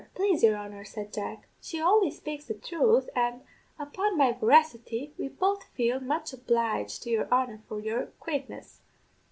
"'Plase your honour,' said Jack, 'she only spaiks the truth; an', upon my voracity, we both feels much oblaiged to your honour for your quietness.